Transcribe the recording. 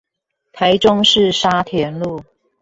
台中市沙田路